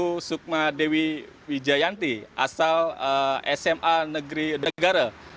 niputu sukmadewi wijayanti asal sma negeri negara